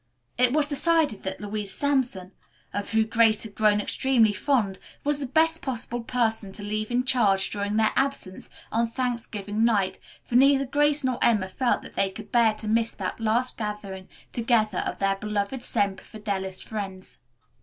It was decided that Louise Sampson, of whom Grace had grown extremely fond, was the best possible person to leave in charge during their absence on Thanksgiving night, for neither Grace nor Emma felt that they could bear to miss that last gathering together of their beloved Semper Fidelis friends.